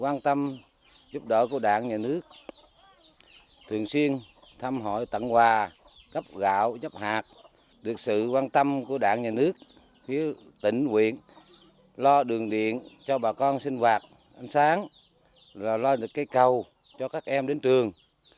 quan tâm dự báo đạo các nhà nước thường xuyên thăm họ ở tận quà cần gạo nắp hạt nhưng mit sự quân quan tâm của đảng nhà nước ở tỉnh huyện lo đường điện cho bà con sinh hoạt thoát ra dính sáng và lốc thường dự đo cầu cho các em đến trường